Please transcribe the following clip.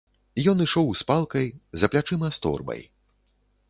Ён ішоў з палкай, за плячыма з торбай.